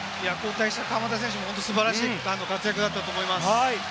川真田選手も素晴らしい活躍だったと思います。